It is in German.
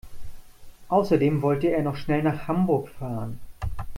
Außerdem wollte er noch schnell nach Hamburg fahren